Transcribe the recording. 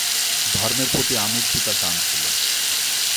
ধর্মের প্রতি আমৃত্যু তার টান ছিল।